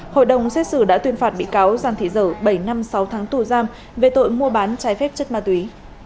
hội đồng xét xử đã tuyên phạt bị cáo giang thị dở bảy năm sáu tháng tù giam về tội mua bán trái phép chất ma túy